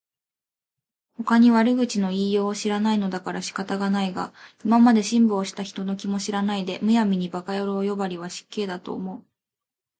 ほかに悪口の言いようを知らないのだから仕方がないが、今まで辛抱した人の気も知らないで、無闇に馬鹿野郎呼ばわりは失敬だと思う